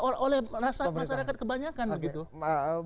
ya dan oleh masyarakat kebanyakan begitu